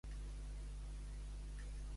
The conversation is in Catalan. A les immediates.